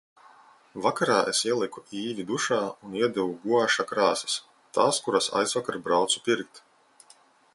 Vakarā es ieliku Īvi dušā un iedevu guaša krāsas. Tās, kuras aizvakar braucu pirkt.